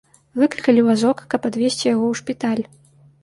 Выклікалі вазок, каб адвезці яго ў шпіталь.